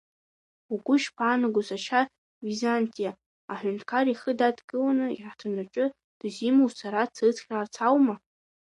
Угәы ишԥаанаго, сашьа Византиа аҳәынҭқар ихы дадкыланы, иаҳҭынраҿы дызимоу сара дсыцхраарц аума?